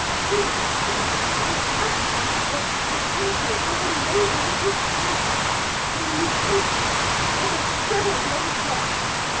He does not call it a dishonest action but 'the impulse of a noble despair'; 'a negation'; or the devil knows what!